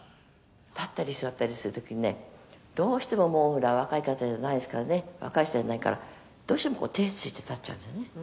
「立ったり座ったりする時にねどうしてももうほら若い方じゃないですからね若い人じゃないからどうしてもこう手をついて立っちゃうのよね」